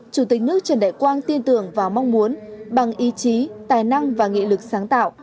chủ tịch nước trần đại quang tin tưởng và mong muốn bằng ý chí tài năng và nghị lực sáng tạo